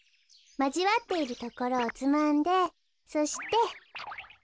まじわっているところをつまんでそして。